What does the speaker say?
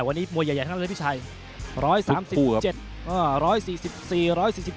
วันนี้มวยใหญ่ครับพี่ชัย๑๓๗ทุกคู่ครับ